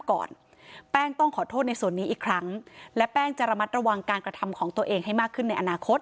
ที่เกิดขึ้นอย่างเพียงแป้งต้องขอโทษในส่วนนี้อีกครั้งและแป้งจะระมัดระวังความกระทำถึงของตัวเองในอนาคต